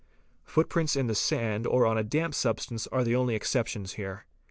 Footprints in the sand or on a damp substance are the only excep tions here.